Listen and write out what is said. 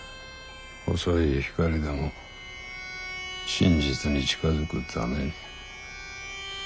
細い光でも真実に近づくために。